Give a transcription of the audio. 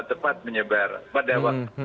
tepat menyebar pada waktu